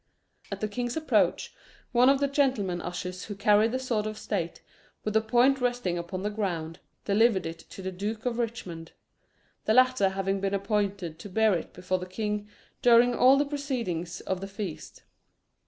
At the king's approach, one of the gentlemen ushers who carried the sword of state, with the point resting upon the ground, delivered it to the Duke of Richmond, the latter having been appointed to bear it before the king during all the proceedings of the feast.